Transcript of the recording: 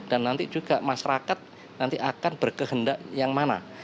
dan nanti juga masyarakat nanti akan berkehendak yang mana